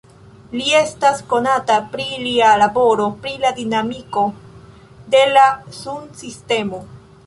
Li estas konata pro lia laboro pri la dinamiko de la sunsistemo.